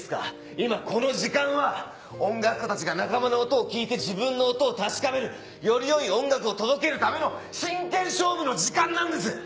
今この時間は音楽家たちが仲間の音を聴いて自分の音を確かめるよりよい音楽を届けるための真剣勝負の時間なんです！